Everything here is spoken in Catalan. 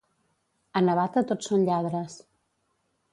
A Navata tots són lladres.